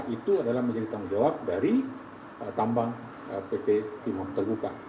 itu adalah menjadi tanggung jawab dari tambang pt timo terbuka